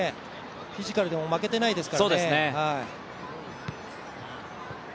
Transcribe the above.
フィジカルでも負けていないですからね。